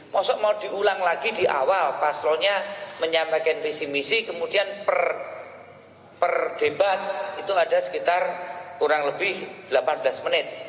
masuk mau diulang lagi di awal paslonnya menyampaikan visi misi kemudian per debat itu ada sekitar kurang lebih delapan belas menit